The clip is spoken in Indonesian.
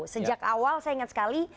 sejak awal saya ingat sekali